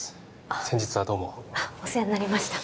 先日はどうもお世話になりました